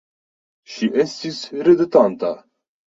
Ŝi estis ridetanta.